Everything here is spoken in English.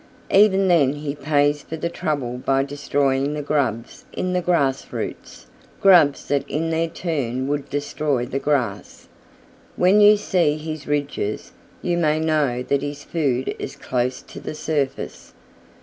Even then he pays for the trouble by destroying the grubs in the grass roots, grubs that in their turn would destroy the grass. When you see his ridges you may know that his food is close to the surface.